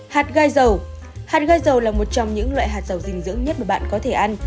hạt gai dầu là một trong những loại hạt dầu dinh dưỡng nhất mà bạn có thể ăn